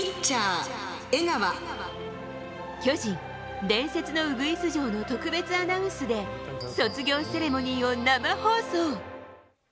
巨人、伝説のウグイス嬢の特別アナウンスで卒業セレモニーを生放送！